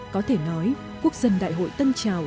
có thể nói quốc dân đại hội tân trào